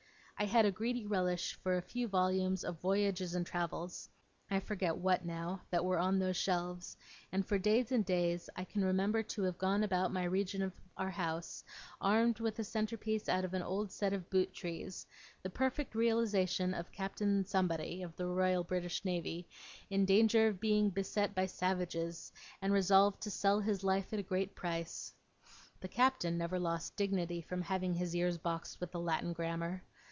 I had a greedy relish for a few volumes of Voyages and Travels I forget what, now that were on those shelves; and for days and days I can remember to have gone about my region of our house, armed with the centre piece out of an old set of boot trees the perfect realization of Captain Somebody, of the Royal British Navy, in danger of being beset by savages, and resolved to sell his life at a great price. The Captain never lost dignity, from having his ears boxed with the Latin Grammar.